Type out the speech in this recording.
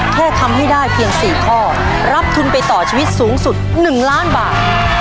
แค่ทำให้ได้เพียง๔ข้อรับทุนไปต่อชีวิตสูงสุด๑ล้านบาท